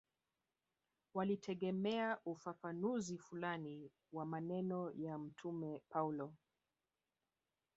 Walitegemea ufafanuzi fulani wa maneno ya Mtume Paulo